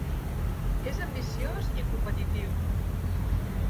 És ambiciós i competitiu.